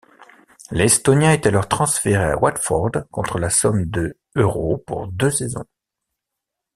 L'Estonien est alors transféré à Watford contre la somme de euros pour deux saisons.